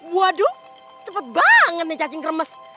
waduh cepet banget nih cacing kremes